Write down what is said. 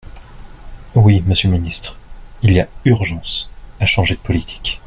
Oui, monsieur le ministre, il y a urgence à changer de politique.